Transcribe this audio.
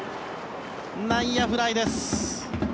内野フライです。